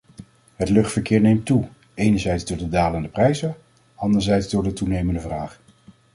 Het luchtverkeer neemt toe, enerzijds door de dalende prijzen, anderzijds door de toenemende vraag.